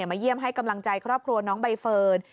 มาเยี่ยมให้กำลังใจครอบครัวน้องใบเฟิร์น